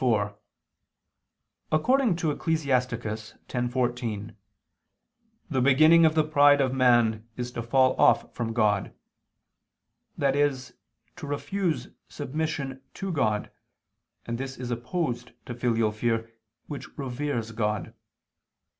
4: According to Ecclus. 10:14, "the beginning of the pride of man is to fall off from God," that is to refuse submission to God, and this is opposed to filial fear, which reveres God.